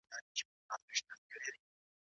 د اوبو نل خلاص مه پرېږدئ.